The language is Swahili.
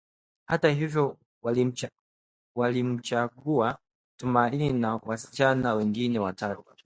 Hata hivyo, walimchagua Tumaini na wasichana wengine watatu